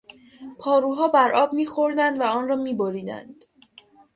پاروها بر آب میخوردند و آن را میبریدند.